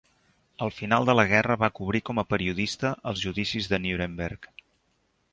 Al final de la guerra va cobrir com periodista els Judicis de Nuremberg.